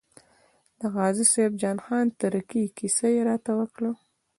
د غازي صاحب جان خان تره کې کیسه یې راته وکړه.